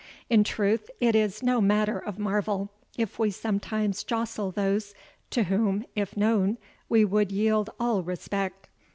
In truth, it is no matter of marvel, if we sometimes jostle those, to whom, if known, we would yield all respect.